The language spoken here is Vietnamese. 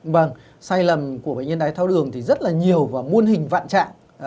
vâng sai lầm của bệnh nhân đài tháo đường thì rất là nhiều và muôn hình vạn trạng